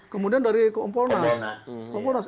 kemudian dari kompolnas